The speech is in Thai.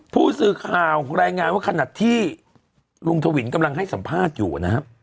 ผู้สื่อข่าวรายงานว่าขณะที่ลุงทวินกำลังให้สัมภาษณ์อยู่นะครับ